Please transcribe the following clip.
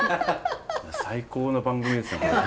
最高の番組ですねこれ。